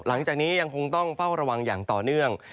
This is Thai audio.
หลังจากนี้ยังคงต้องเฝ้าระวังอย่างต่อเนื่อง